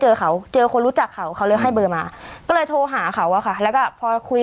เจอเขาเจอคนรู้จักเขาเขาเลยให้เบอร์มาก็เลยโทรหาเขาอะค่ะแล้วก็พอคุย